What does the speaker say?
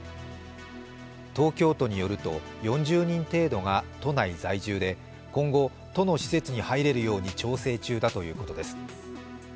東京都によると、４０人程度が都内在住で今後、都の施設に入れるように調整中だということです。